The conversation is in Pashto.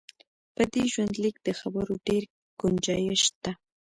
په دې ژوندلیک د خبرو ډېر ګنجایش شته.